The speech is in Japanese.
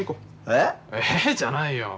えっじゃないよ。